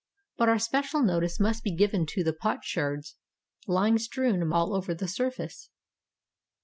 But our special notice must be given to the pot sherds lying strewn all over the surface.